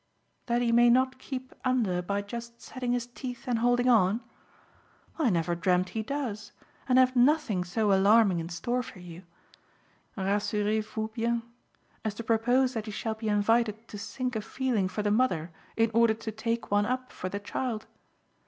"That he may not keep under by just setting his teeth and holding on? I never dreamed he does, and have nothing so alarming in store for you rassurez vous bien! as to propose that he shall be invited to sink a feeling for the mother in order to take one up for the child.